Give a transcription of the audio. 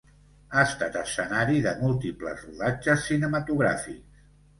Ha estat escenari de múltiples rodatges cinematogràfics.